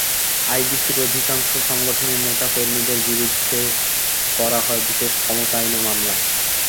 আইবিসির অধিকাংশ সংগঠনের নেতা কর্মীদের বিরুদ্ধে করা হয় বিশেষ ক্ষমতা আইনে মামলা।